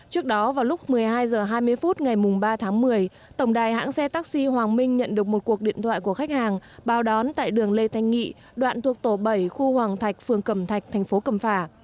trước đó vào lúc một mươi hai h hai mươi phút ngày ba tháng một mươi tổng đài hãng xe taxi hoàng minh nhận được một cuộc điện thoại của khách hàng báo đón tại đường lê thành nghị đoạn thuộc tổ bảy khu hoàng thạch phường cầm thạch tp cầm phà